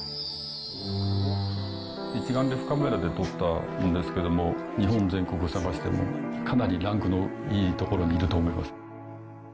一眼レフカメラで撮ったんですけども、日本全国探しても、かなりランクのいい所にいると思います。